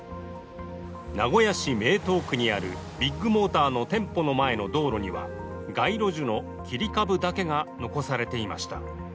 名古屋市名東区にあるビッグモーターの店舗の前の道路には街路樹の切り株だけが残されていました。